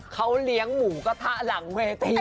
เขาเลี้ยงหมูกระทะหลังเวที